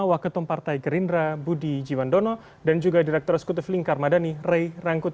wakil tumpartai gerindra budi jiwandono dan juga direktur sekutu filingkarmadhani rey rangkuti